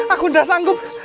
aku tidak sanggup